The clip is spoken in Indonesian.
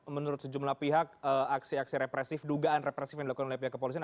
menurut sejumlah pihak aksi aksi represif dugaan represif yang dilakukan oleh pihak kepolisian